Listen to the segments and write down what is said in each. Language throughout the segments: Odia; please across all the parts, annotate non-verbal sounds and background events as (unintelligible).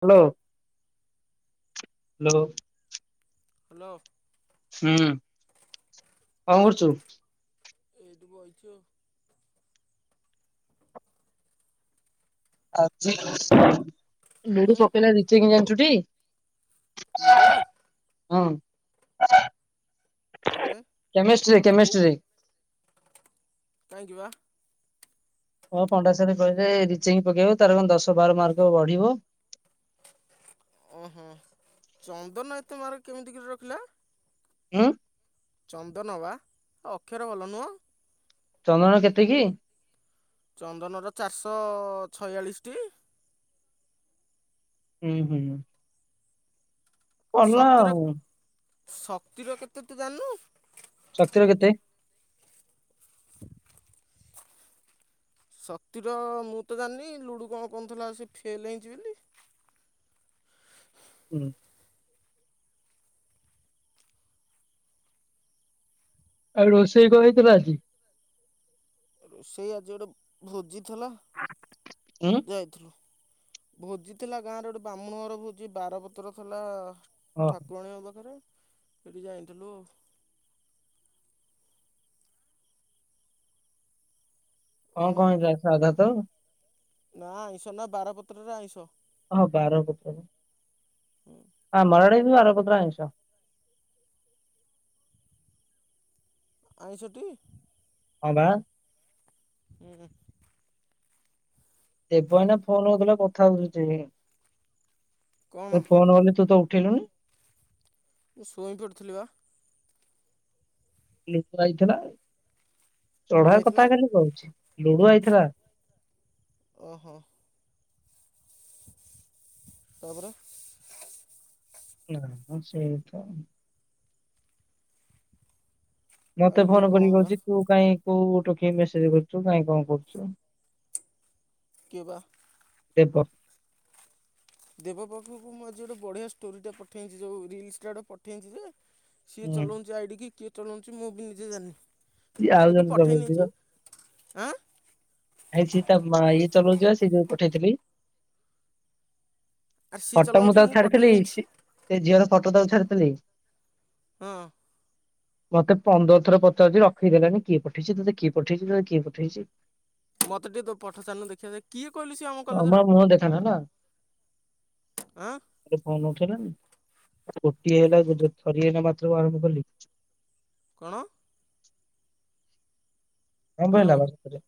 Hello hello. ହ୍ୟାଲୋ। ହୁଁ କଣ କରୁଛୁ? ଏଇଠି ବଇଚୁ ଆଉ (unintelligible) ଲୁଡୁ ଉଁ। ପକେଇଲେ (unintelligible) ଜାଣିଛୁଟି ଲୁଡୁ ତାପରେ କେମିଷ୍ଟ୍ରି (unintelligible) କୋଉ କେମିଷ୍ଟ୍ରି। କାହିଁକି ବା। ହଁ ପଣ୍ଡା ସାର୍ କହିଲେ ରିଚେକିଙ୍ଗ ପକେଇବାକୁ ତାର କଣ ଦଶ ବାର ମାର୍କ ବଢିବ। ଓ ହୋ ଚନ୍ଦନ ଏତେ ମାର୍କ କେମିତି କିରେ ରଖିଲା? ଉଁ। ଚନ୍ଦନ ବା ଅକ୍ଷର ଭଲ ନୁହଁ ଚନ୍ଦନର କେତେ କି? ଚନ୍ଦନର ଚାରିଶହ ଛୟାଳିଶ ଟି। ହୁଁ -ହୁଁ। ପଢିଲା ଶକ୍ତିର ଆଉ। ଶକ୍ତିର କେତେ ତୁ ଜାଣିନୁ? ଶକ୍ତିର କେତେ? ଶକ୍ତିର ମୁଁ ତ ଜାଣିନି ଲୁଡୁ କଣ କଉଁଥିଲା ସେ ଫେଲ ହେଇଁଛି ବିଲି। ହୁଁ। ଆଉ ରୋଷେଇ କଣ ହେଇଥିଲା ଆଜି? ରୋଷେଇ ଆଜି ଗୋଟେ ଭୋଜି ଥିଲା ଉଁ ଯାଇଥିଲୁ। ଭୋଜି ଥିଲା ଗାଁରେ ଗୋଟେ ବ୍ରାହ୍ମଣ ଘର ଭୋଜି ବାରପତ୍ର ଥିଲା। ଓହୋ ଠାକୁରାଣୀଙ୍କ ପାଖରେ ସେଠିକି ଯାଇଥିଲୁ। କଣ ଆଉ କଣ ହେଇଥିଲା ସାଧା ତ। ନା ଆଇଁଷ ନା ବାରପତ୍ରରେ ଆଇଁଷ। ହଁ ବାରପତ୍ର। ହୁଁ। ହଁ ଆମର ଆଡେ ବି ବାରପତ୍ର ଆଇଁଷ। ଆଇଁଷଟି। ହଁ ବା। ହୁଁ। ଏବେ ଆମେ ଫୋନରେ ଯେତେବେଳେ କଥା ହଉଚେ, କଣ ମୋ ଫୋନ ଆଇଲେ ତୁ ତ କିଣିଲୁନି? ମୁଁ ଶୋଇପଡ଼ିଥିଲି ବା। ଲିକୁ ଆଇଥେଲା। କିଏ ଚଢା ଆଇଥିଲା କଥା ଖାଲି କହୁଛି ଲୁଡୁ ଆଇଥିଲା। ଓହୋ, ତାପରେ, ନାମ ସେଇତ, ଆଉ ମତେ ଇଏ ଫୋନ କଣ କରିକି ହେଲା ରଛି ତୁ କାଇହିଁ କୋଉଟ କି ମେସେଜ କରୁଚୁ କାଇଁ କଣ କରୁଚୁ। କିଏ ବା, ଦେବ। ଦେବ ପାଖୁଙ୍କୁ ମୁଁ ଆଜି ଗୋଟେ ବଢିଆ ଷ୍ଟୋରି ଟା ପଠେଇଛି ଯୋଉ ରିଲସଟା ଗୋଟେ ପଠେଇଛି ଯେ ସିଏ ହୁଁ ଚଲଉଛି ଆଇଡିକି କିଏ ଚଲଉ ମୁଁ ବି ନିଜେ ଜାଣିନି ସିଏ ମୁଁ ଆଉ କିନ୍ତୁ ଜଣେ ପଠେଇ ଚଲଉଛି ନେଇଚି ଆଁ। ଆାଇ ସିଏ ତା ମା ଇଏ ଚଲଉଚି ବା ସେ ଯଉ ପଠେଇଥିଲି। ଆରେ ସିଏ ଫଟୋ ମୁଁ ଚଲାଉଛି ତାକୁ ପଠେଇ ଛାଡିଥିଲି ନେଇଛି ସେ ଝିଅର ଫଟୋ ତାକୁ ଛାଡିଥିଲି। ହଁ, ମତେ ପନ୍ଦର ଥର ପଚାରୁଚି ରଖେଇଦେଲାନି କିଏ ପଠେଇଚି ତୋତେ କିଏ ପଠେଇଚି ତୋତେ କିଏ ପଠେଇଚି। ମତେ ଟିକେ ତୋ ପଠ ଛାଡ଼ୁନୁ ଦେଖିବାଯାଏ କିଏ କହିଲୁ ସିଏ ଆମ କଲେଜର ଆମର ମୁହଁ ଦେଖାନା ନାଁ? ଆଁ ସେ ଫୋନ ଉଠେଇଲାନି ଗୋଟିଏ ହେଲା ସେଜୋ ଥରିଏ ଜମା ତୋ ଆରମ୍ଭ କଲି। କଣ? (inaudible) କଅଁ ହ୍ୟାଲୋ କହିଲା ଭସ କରିବା।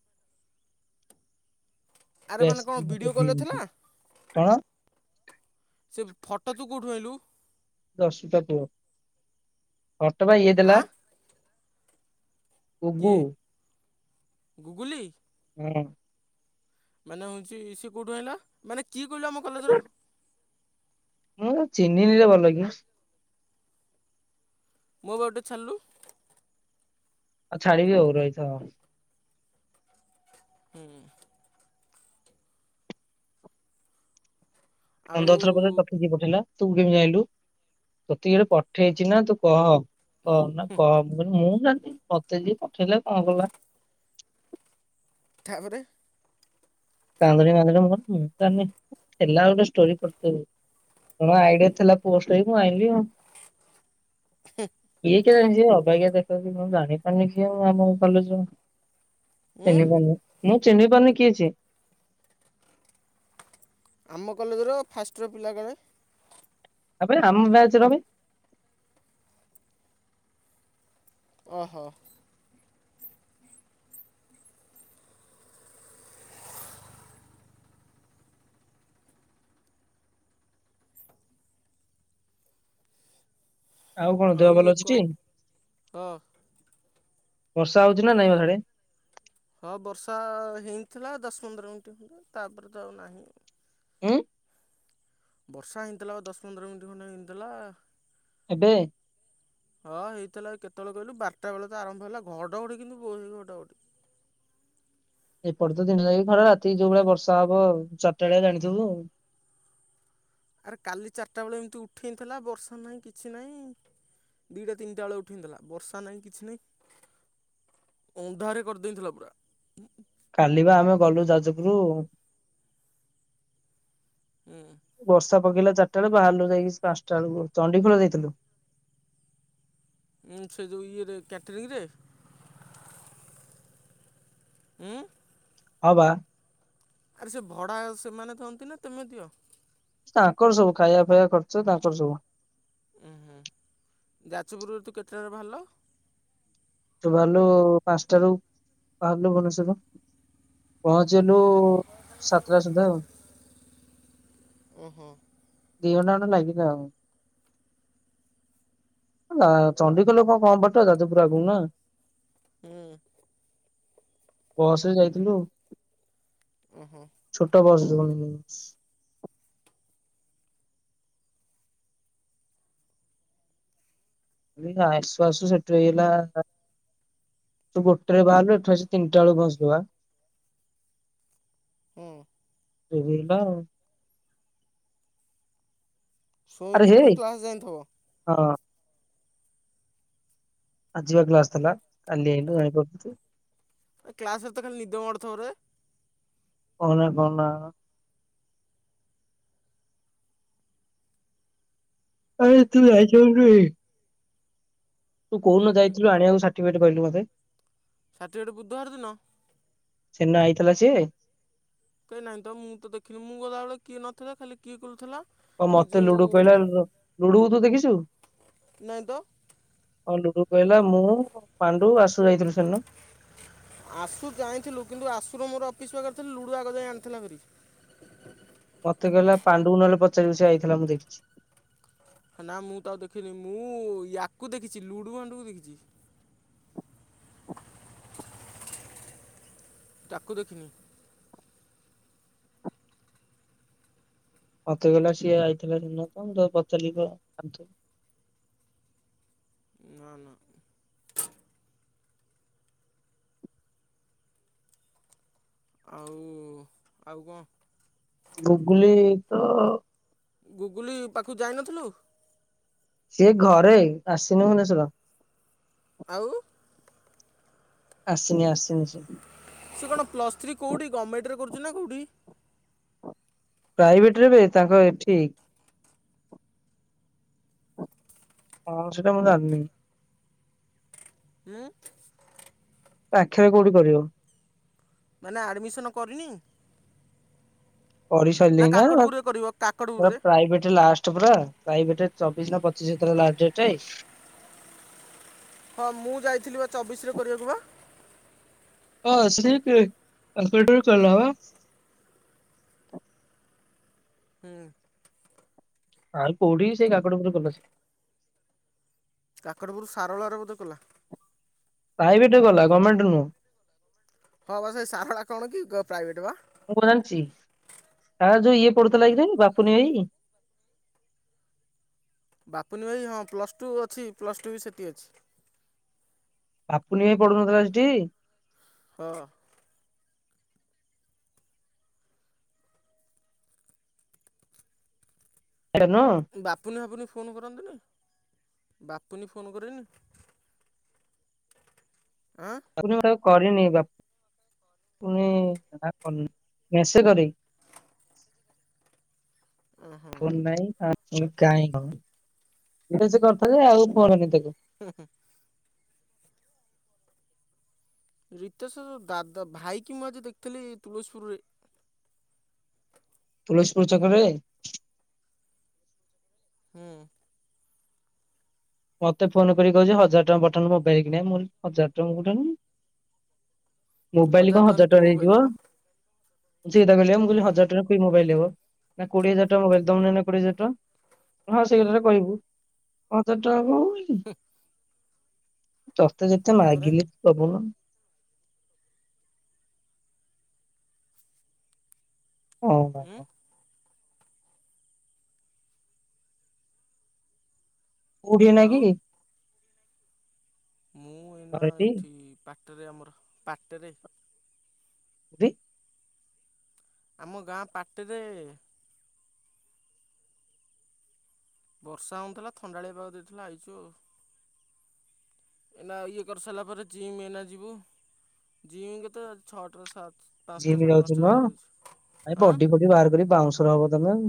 ଆରେ ମାନେ କଣ ଭିଡ଼ିଓ କଲ୍ ରେ (inaudible) ଥିଲା କଣ, ସେ ଫଟୋ ତୁ କଉଠୁ ଆଇଲୁ? ଦଶଟା କୁହ ହଟବା ଇଏ ଦେଲା। ହାଁ କୁବୁ, ଗୁଗୁଲିୀ ହୁଁ, ମାନେ ହଉଛି ସିଏ କୋଉଠୁ ଆଇଁଲା ମାନେ କିଏ କହିଲା ଆମ କଲେଜ ର। ମୁଁ ଚିହ୍ନିଲିରେ ଭଲକି। ମୋ ପାଖକୁ ଟିକେ ଛାଡ଼ିଲୁ। ଆଉ ଛାଡ଼ିବି ଆଉ ରଇଥା ହୁଁ, ଆଉ ପନ୍ଦର ଥର ପରେ ତତେ କିଏ ପଠେଇଲା। ତୁ କେମିତି ଯାଇଁଲୁ ତତେ କିଏ ଗୋଟେ ପଠେଇଛି ନା ତୁ କହ? କହୁନ କୁହ ମୁଁ କହିଲି ମୁଁ ମତେ ଯିଏ ପଠେଇଲେ କ ଣ କଲା ତା ପରେ, କାନ୍ଦୁଣି ମାନ୍ଦୁଣି ମୁଁ କହିଲି ଚିନ୍ତା ନାହିଁ ହେଲା ଗୋଟେ ଷ୍ଟୋରି କରିଦେବି। କଣ ଆଇଡିଆ ଥିଲା ପୋଷ୍ଟ ହେଇକି ମୁଁ ଆଇଁଲି ଆଉ କିଏ କେ ଜାଣିଚି ଅବାକିଆ ଦେଖାହୋଉଚି ମୁଁ ଜାଣିପାରୁନି ଝିଅ ଓ ଆମ କଲେଜ ଉଁ ଚିନି ପାରୁନି ମୁଁ ଚିହ୍ନି ପାରୁନି କିଏ ସିଏ। ଆମ କଲେଜର ଫାଷ୍ଟ୍ ଇଅର ପିଲା କାଳେ। ଆବେ ଆମ ବ୍ୟାଚ୍‌ ର ବେ ଓହୋ। ଆଉ କଣ ଦେହ ଇଏ ଭଲ ଅଛି କି? କଣ ହଁ ବର୍ଷା ହୋଉଚି ନାଁ ମ ହାଡ଼େ? ହଁ ବର୍ଷା ହେଇଥିଲା ଦଶ ପନ୍ଦର ମିଣ୍ଟି ପରେ ତାପରେ ତ ଆଉ ନାହିଁ। ଉଁ ବର୍ଷା ହେଇଥିଲା ବା ଦଶ ପନ୍ଦର ମିଣ୍ଟି ଖଣ୍ଡେ ହେଇଥିଲା। ଏବେ? ହଁ ହେଇଥିଲା କେତୋଳେ କହିଲୁ ବାରଟା ବେଳେ ତ ଆରମ୍ଭ ହେଲା, ଘଡ଼ଘଡ଼ି କିନ୍ତୁ ବୋହୁତ ଘଡ଼ଘଡ଼ି। (inaudible) ଏପଟେ ତ ଦିନ ଯାଗି ଖରା ରାତିକି ଯୋଉ ଭଳିଆ ବର୍ଷା ହବ ଆଉ ଚାରିଟା ଅଳିଆ ଜାଣିଥିବୁ ଆଉ। (inaudible) ଆରେ କାଲି ଚାରଟା ବେଳେ ଏମିତି ଉଠେଁଇଥିଲା ବର୍ଷା ନାହିଁ କିଛି ନାହିଁ। ଦିଟା ତିନିଟା ଅଳେ ଉଠେଇଁ ଥିଲା ବର୍ଷା ନାହିଁ କିଛି ନାହିଁ। ଅନ୍ଧାରି କରଦେଇଥିଲା ପୁରା। କାଲି ବା ଆମେ ଗଲୁ ଯାଜପୁରୁ ହୁଁ ବର୍ଷା ପକେଇଲା ଚାରିଟା ଅଳୁ ବାହାରଲୁ ଯାଇକି ପାଁଶଟା ଅଳୁକୁ ଚଣ୍ଡିଖୋଲ ଯାଇଥିଲୁ। ଉଏ ସେଇ ଯୋଉ ଇଏରେ କ୍ୟାଟରିଗ୍ ରେ। ଉଁ ହବା (unintelligible) ଆରେ ସେ ଭଡ଼ା ସେମାନେ ଦିଅନ୍ତି ନା, ତମେ ଦିଅ ତାଙ୍କର ସବୁ, ଖାଇବା ଫାୟା ଖର୍ଚ ତାଙ୍କର ସବୁ ଉ ହୁଁ ଯାଜପୁରରୁ ତୁ କେତେବେଳେ ବାହାରିଲ? ତ ବାହାରିଲୁ ପାଞ୍ଚଟାରୁ, ବାହାରିଲୁ ଭୁବନେଶ୍ୱର ରୁ ପହଞ୍ଚି ଗଲୁ, ସାତଟା ସୁଧା ଆଉ ଓ ହୋ (unintelligible) ଦି ଘଣ୍ଟା ଖଣ୍ଡେ ଲାଗିଲା ଆଉ ନା ଚଣ୍ଡିଖୋଲ କଣ କମ୍ ବାଟ, ଯାଜପୁରୁ ଆଗକୁ ନା ହୁଁ (unintelligible) ବସ ରେ ଯାଇଥିଲୁ, ଓହୋ ଛୋଟ ବସ (unintelligible) ଆସୁ ଆସୁ ସେଠୁ ହେଇଗଲା ତୁ ଗୋଟେରେ ବାହାରିଲୁ, ଏଠୁ ଆସି ତିନିଟା ବେଳେ ପହଞ୍ଚିଥିବୁ ଆ ହୁଁ ସେବରଲା (unintelligible) ଆରେ ଶୁଇଁକି ହେ ପୁଣି କ୍ଲାସ୍ ଯାଇଥିବ? ହଁ ଆଜି ପା କ୍ଲାସ ଥିଲା, କାଲି ଆଇଲୁ କ୍ଲାସ ରେ ତ ଖାଲି ନିଦ ମାଡୁଥିବ ରେ କହନା କହନା। ଆରେ ତୁ ହୁଁ ଯାଇଛୁ ଏଇଠୁ କି। ତୁ କଉଦିନ ଯାଇଥିଲୁ ଆଣିବାକୁ ସାର୍ଟିଫିକେଟ କହିଲୁ ମତେ। ସାର୍ଟିଫିକେଟ ବୁଧବାର ଦିନ। ସେଦିନ ଆଇଥିଲା ସେ। କାଇଁ ନାଇଁତ ମୁଁ ତ ଦେଖିନି ମୁଁ ଗଲାବେଳେ କିଏ ନଥିଲା ଖାଲି କିଏ କହିଲୁ ଥେଲା। ଆଉ ମତେ ଲୁଡୁ କହିଲା ଲୁଡୁ କୁ ତୁ ଦେଖିଛୁ। ନାଇଁ ତ ଆଉ ଲୁଡୁ କହିଲ ମୁଁ ପାଣ୍ଡୁ ଆସ ଆସୁ ଜାଇଁଥିଲୁ କିନ୍ତୁ ଆସ ସୁ ର ମୋର ଅଫିସ୍ ପାଖରେ ଥିଲା ଲୁଡ଼ୁ ଆଗ ଯାଇ ଆଣିଥିଲା ଭେରି। ମତେ କହିଲା ପାଣ୍ଡୁ ନହଲେ ପଚାରିବୁ ସେ ଆଇଥିଲା ମୁଁ ଦେଖିଛି। ନା ମୁଁ ତ ଆଉ ଦେଖିନି ମୁଁ ୟାକୁ ଦେଖିଛି ଲୁଡୁ ବାଣ୍ଡକୁ ଦେଖିଛି। ତାକୁ ଦେଖିନି। ମତେ କହିଲା ସିଏ ଆଇଥିଲା ଦିନ ତ ମୁଁ ତାକୁ ପଚାରିଲି ତ ଅଂଶ ନା ନା। ଆଉ ଆଉ କଣ? ଗୁଗୁଲି ତ ଗୁଗୁଲି ପାଖକୁ ଯାଇନଥିଲୁ। ସିଏ ଘରେ ଆସିନି ଭୁବନେଶ୍ୱର। ଆଉ? ଆସିନି ଆସିନି ସେ। ସେ କଣ ପ୍ଲସ୍ ଥ୍ରୀ କଉଠି ଗମେଣ୍ଟରେ କରୁଛି ନା କଉଠି? ପ୍ରାଇଭେଟରେ ବେ ତାଙ୍କ ଏଠି ହଁ ସେଟା ମୁଁ ଜାଣନି। ଉଁ ପାଖେରେ କୋଉଠି କରିବ। ମାନେ ଆଡ଼ମିଶନ କରିନି। ପଢି ନା ସାରିଲିନା କାକଟପୁରରେ କରିବ ପୁରା କାକଟପୁରରେ ପ୍ରାଇଭେଟେ ଲାଷ୍ଟ ପୁରା। ପ୍ରାଇଭେଟେ ରେ ଚବିଶ ନା ପଚିଶ ସେତେବେଳେ ଲାଷ୍ଟ ଡେଟେ। ହଁ ମୁଁ ଯାଇଥିଲି ବା ଚବିଶ ରେ କରିବାକୁ ବା। ହଁ ସେ ସେଇଠି କାଲକୁଲେଟର କରଲା ପା। ହୁଁ। ଆଉ କଉଠି କି ସେଇ କାକଟ ପୁର କଲେଜ। କାକଟପୁରରୁ ସାରଳା ରେ ବୋଧେ କଲା। ପ୍ରାଇଭେଟରେ କଲା ଗମେଣ୍ଟ ନୁହଁ। ହଁ ବା ସେଇ ସାରଳା କଣ କି ପ୍ରାଇଭେଟ ବା। ମୁଁ ଙ୍କ ଜାଣିଛି ସାରଳା ଯୋଉ ଇଏ ପଡୁଥିଲା ହୁଁ କିରେ ବାପୁନି ଭାଇ। ପାପୁନି ଭାଇ ହଁ ପ୍ଲସ୍ ଟୁ ଅଛି ପ୍ଲସ୍ ଟୁ ବି ସେଠି ଅଛି। ବାପୁନି ଭାଈ ପଡୁନଥିଲା ସେଠି। ହଁ। ନୁହଁ ବାପୁନି ଫାପୁନି ଫୋନ କରନ୍ତନି ବାପୁନି ଫୋନ କରେନି? ଆଁ ବାପୁନି ବା କରିନି ବାପ ପୁନି ନା କରନି ମେସେଜ କରେଇ। ଓହୋ ଫୋନ ନାଇ ଆଁ କାହିଁ ଙ୍କ ଇଣ୍ଟର୍ନସିପ୍ କରୁଥିଲି ଆଉ (unintelligible) ତାକୁ। ହୁଁ। ରୀତେଶ ଦାଦା ଭାଇ କି ମୁଁ ଆଜି ଦେଖିଥିଲି ତୁଳସୀପୁରରେ। ତୁଳସୀପୁର ଛକରେ? ହୁଁ। ମତେ ଫୋନ କରି କହୁଛି ହଜାର ଟଙ୍କା ପଠଉନୁ ମୋବାଇଲ କିଣିବା ମୁଁ କହିଲି ହଜାର ଟଙ୍କା ମୁଁ କୋଉଠୁ ଆଣିବି। ମୋବାଇଲ କଣ ହଜାର କି ଟଙ୍କାରେ ମୋବାଇଲ୍ ହେଇଯିବ? ହବ ସେଇଟା କହଲି ଆ ହଜାର ହୁଁ ଟଙ୍କା ରେ କି ମୋବାଇଲ ହେବ। ନା କୋଡିଏ ହଜାର ଟଙ୍କା ମୋବାଇଲ ଦଉନ ଏଇନା କୋଡିଏ ହଜାର ଟଙ୍କା ହଁ ସେଇ କଥାଟା କହିବୁ। ହଜାର ଟଙ୍କା କଣ ମୋବାଇଲ। ତତେ ଯେତେ ତାପରେ ମାଗିଲେ ଦବୁନୁ। ଉଁ ହୁଁ ହ। କୋଡିଏ ଆଉ ନାଇଁ କି? ମୁଁ ଏଇନା ଘରେ ଟି ଏଠି ପାଟେରେ ଆମର ପାଟେରେ ଦି ଆମ ଗାଁ ପାଟେରେ ବର୍ଷା ହଉନଥିଲା ଥଣ୍ଡାଳିଆ ପାଗ ଦେଇଥିଲା ଆଇଛୁ। ଏନା ଇଏ କରିସାରିଲା ପରେ ଜିମି ଏଇନା ଯିବୁ ଜିମି କେତେ ଛଅଟା ରୁ ସାତ ପାଞ୍ଚଟା ଜିମି ସାଢ଼େ ଯାଉଛ ପାଞ୍ଚଟା ନୁହଁ ବାହାରିଛୁ ଭାଇ ଆଁ ବଡି ଫଡି ବାହାର କରି ବାଉଁଶର ହବ ତମେ ଆଉ।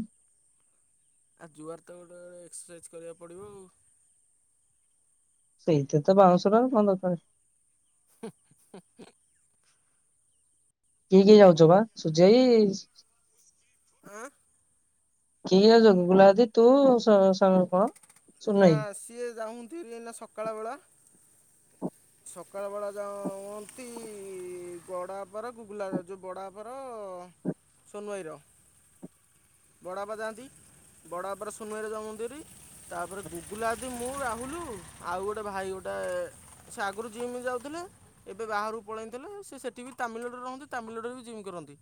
ଆ ଜୁଆଡ଼େ ତ ଗୋଟେ ଏକ୍ସରସାଇଜ୍ କରିବାକୁ ପଡ଼ିବ ଆଉ। ସେଇଥିରେ ତ ବାଉଂଶର ଆଉ କଣ ଦରକାରେ। (unintelligible) କିଏ କିଏ ଯାଉଛ ବା ସୂର୍ଯ୍ୟ ଭାଇ ଆଁ କିଏ ଯାଉଛ ଗୁଗୁଲା ଦାଦି ତୁ ସ ସ କଣ ନା ସୁନେଇ ସିଏ ଯାଉଛନ୍ତି ଏବେ ସକାଳ ବେଳା। ସକାଳ ବେଳା ଯାଆନ୍ତି ବଡାପାର ଗୁଗୁଲା ଯୋଉ ବଡାପାର (unintelligible) ସୋନୁ ଭାଇର ବଡପା ଯାଆନ୍ତି। ବଡପାର ସୋନୁ ଭାଇର ଯାଉଛନ୍ତି ହେରି ତାପରେ ଗୁଗୁଲା ଦି ମୁଁ ରାହୁଲୁ ଆଉ ଗୋଟେ ଭାଇ ଗୋଟେ ସେ ଆଗରୁ ଜିମ୍ ଯାଉଥିଲେ ଏବେ ବାହାରକୁ ପଳେଇଥିଲେ ସେ ସେଠି ବି ତାମିଲନାଡ଼ୁରେ ରହନ୍ତି ତାମିଲ ନାଡୁରେ ବି ଜିମ୍ କରନ୍ତି,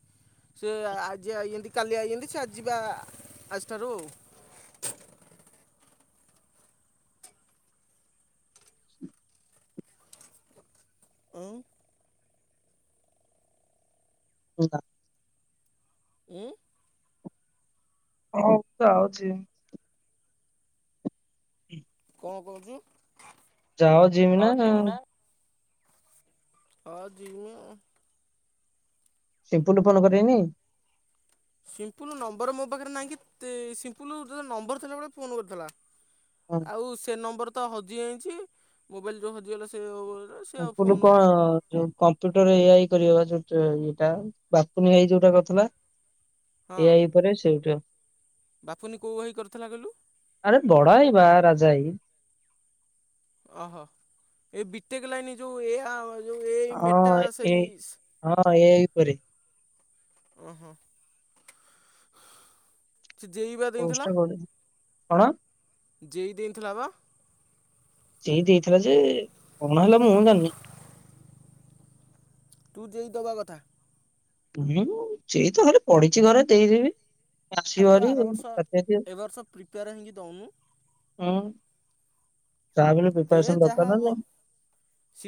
ସେ ଆଜି ଆଇଚନ୍ତି କାଲି ଆଇଚନ୍ତି ସେ ଆ ଯିବା ଆଜଠାରୁ ଆଉ। ଉଁ। (unintelligible) ଉଁ। ହଉ ଯାଉଚି। (unintelligible) କଣ କହୁଚୁ? ଯାଅ ଜିମ୍ ନା ଆଉ ହଁ ଜିମି ସିମ୍ପୁଲୁ ଫୋନ କରିବେନି। ସିମ୍ପୁଲୁ ନମ୍ବର ମୋ ପାଖରେ ନାହିଁ କି ତି ସିମ୍ପୁଲୁ ନମ୍ବର ଥିଲାବେଳେ ଫୋନ କରିଥିଲା। ହଁ ଆଉ ସେ ନମ୍ବର ତ ହଜିଯାଇଛି ମୋବାଇଲ ଯୋଉ ହଜିଗଲା ସେ ଆଉ ସେ ସିମ୍ପୁଲୁ ଫୋନ କଣ ଯୋଉ କମ୍ପ୍ୟୁଟର ଏ ଆଇ କରିଆକୁ ଆସିବ। ସେ ଇଏଟା ବାପୁନି ଭାଇ ଯୋଉଟା କରିଥିଲା ଏ ହଁ ଆଇ ଉପରେ ସେଇ ଗୋଟିକ। ବାପୁନି କୋଉ ବହି କରିଥିଲା କହିଲୁ ଆରେ ବଡ ଭାଇ ବା ରାଜା ଭାଇ। ଓହୋ ଏଇ ବି ଟେକ ଲାଇନ ଯୋଉ ଏ ଆ ଯୋଉ ଏ ଆଇ ହଁ ମେଟା ଏ ସେଇ ହଁ ଏ ଆଇ ଉପରେ। ଓହୋ ସେ ଯେ ଇ ଇ ବା ଦେଇଥିଲା। ପୋଷ୍ଟଟା କରୁ କଣ? ଜେ ଇ ଇ ଦେଇଥିଲା ବା। ଜେ ଇ ଇ ଦେଇଥିଲା ଯେ କଣ ହେଲା ମୁଁ ଜାଣିନି। ତୁ ଜେ ଇ ଦବା କଥା। ମୁଁ ସେ ଜେ ଇ ଇ ତ ଖାଲି ପଢିଚି ଘରେ ଦେଇଦେବି। ଆସିବ ଆରେ ତୁ ଭାରି ଆର ବର୍ଷ ରାତାରାତି ଆଉ। ଏବର୍ଷ ପ୍ରିପେୟାର ହେଇକି ଦଉନୁ। ହୁଁ ଯାହା ବି ହେଲେ ଦେ ପ୍ରିପାରସନ ଯାହା ଦରକାର ନା ହବ। ନାଇଁ। ସେ